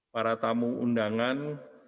para tamu undangan